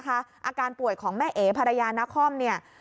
อาการป่วยของแม่เอ๋พรายาณค่ะ